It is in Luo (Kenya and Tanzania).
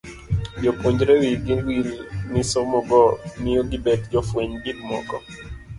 Jopuonjre wi gi wil ni somo go miyo gibet jofweny gik moko.